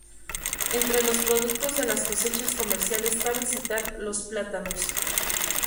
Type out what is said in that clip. Entre los productos de las cosechas comerciales cabe citar los plátanos.